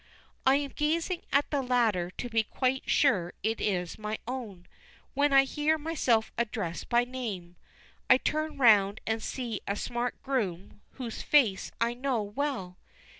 I am gazing at the latter to be quite sure it is my own, when I hear myself addressed by name. I turn round and see a smart groom whose face I know well.